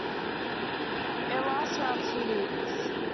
It lasts around two weeks.